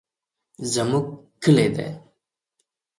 زمونږ کلي دي.